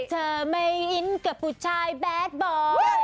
เธอไม่อินกับผู้ชายแบดบอ